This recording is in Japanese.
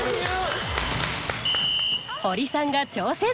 ホリさんが挑戦！